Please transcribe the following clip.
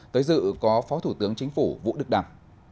tới dự có phó thủ tướng chính phủ vũ đức đảng